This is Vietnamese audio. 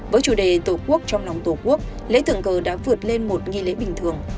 với chủ đề tổ quốc trong lòng tổ quốc lễ thượng cờ đã vượt lên một nghi lễ bình thường